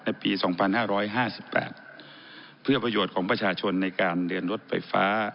ปี๒๕๕๘เพื่อประโยชน์ของประชาชนในการเดินรถไฟฟ้า